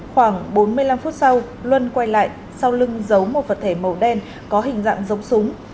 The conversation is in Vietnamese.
khoảng bốn mươi năm phút sau luân quay lại sau lưng giấu một vật thể màu đen có hình dạng giống súng